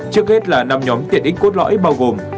trước hết là năm nhóm tiện ích cốt lõi bao gồm